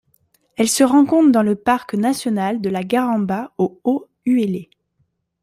Elle se rencontre dans le parc national de la Garamba au Haut-Uele.